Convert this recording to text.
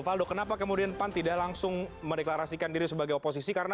valdo kenapa kemudian pan tidak langsung mendeklarasikan diri sebagai oposisi